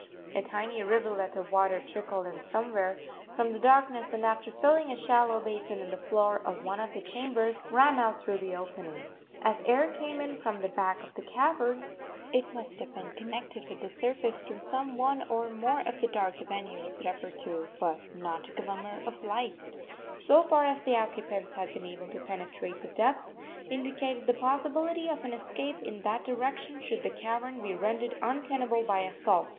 A tiny rivulet of water trickled in somewhere from the darkness, and, after filling a shallow basin in the floor of one of the chambers, ran out through the opening. As air came in from the back of the cavern, it must have been connected with the surface through some one or more of the dark avenues referred to; but not a glimmer of light, so far as the occupants had been able to penetrate the depths, indicated the possibility of an escape in that direction should the cavern be rendered untenable by assault.